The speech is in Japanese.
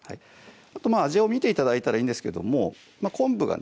あとまぁ味を見て頂いたらいいんですけども昆布がね